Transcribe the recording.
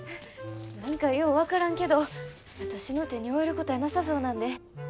何かよう分からんけど私の手に負えることやなさそうなんで。